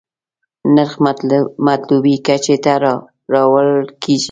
نرخ مطلوبې کچې ته راوړل کېږي.